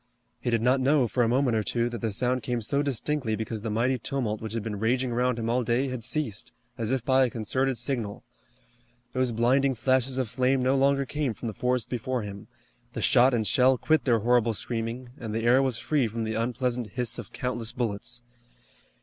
He did not know, for a moment or two, that the sound came so distinctly because the mighty tumult which had been raging around him all day had ceased, as if by a concerted signal. Those blinding flashes of flame no longer came from the forest before him, the shot and shell quit their horrible screaming, and the air was free from the unpleasant hiss of countless bullets.